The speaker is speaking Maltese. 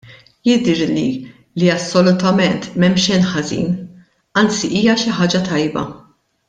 Jidhirli li assolutament m'hemm xejn ħażin, anzi hija xi ħaġa tajba.